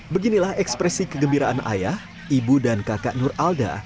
beginilah ekspresi kegembiraan ayah ibu dan kakak nur alda